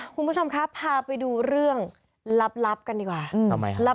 คุณผู้ชมพาไปดูเรื่องรับกันดีกว่า